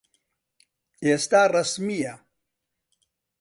ئێستا ڕەسمییە.